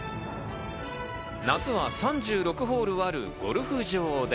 夏は３６ホールあるゴルフ場へ。